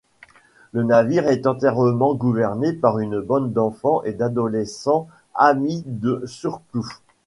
Le navire est entièrement gouverné par une bande d'enfants et d'adolescents, amis de Surplouf.